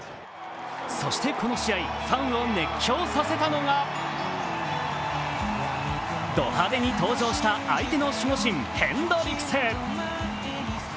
そしてこの試合ファンを熱狂させたのがド派手に登場した相手の守護神・ヘンドリクス。